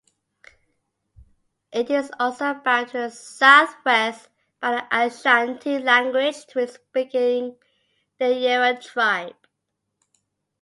It is also bound to the south-west by the Ashanti language Twi-speaking Denkyera tribe.